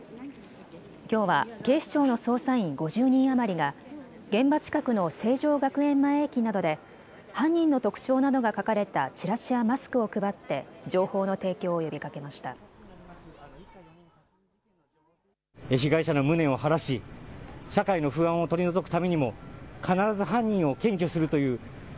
きょうは警視庁の捜査員５０人余りが現場近くの成城学園前駅などで犯人の特徴などが書かれたチラシやマスクを配って情報の提供を呼びかけました。